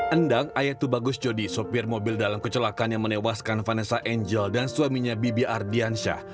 endang ayatu bagus jodi sopir mobil dalam kecelakaan yang menewaskan vanessa angel dan suaminya bibi ardiansyah